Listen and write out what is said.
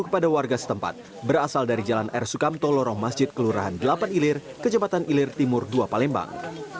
kepada warga setempat berasal dari jalan r sukamto lorong masjid kelurahan delapan ilir kecepatan ilir timur dua palembang